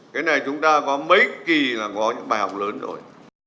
cái này chúng ta có mấy kỳ là có những bài học lớn rồi